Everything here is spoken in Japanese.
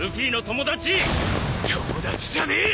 友達じゃねえ！